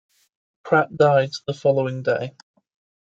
Pratt died the following day.